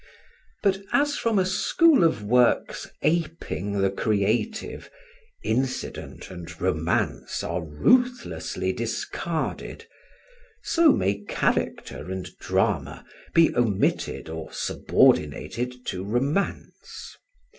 But as from a school of works, aping the creative, incident and romance are ruthlessly discarded, so may character and drama be omitted or subordinated to romance.